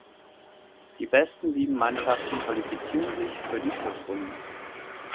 Die besten sieben Mannschaften qualifizierten sich für die Schlussrunde.